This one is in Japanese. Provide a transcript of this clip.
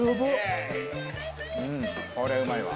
うんこれはうまいわ。